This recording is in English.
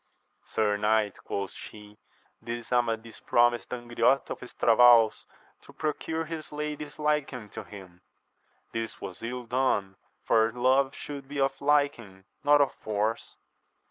Sir knight, quoth she, this Amadis promised Angriote of Estravaus to procure his lady's liking to him : this was ill done, for love should be of liking, not of force.